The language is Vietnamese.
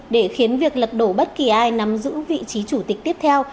để khiến việc lật đổ bất kỳ ai nắm giữ vị trí chủ tịch tiếp theo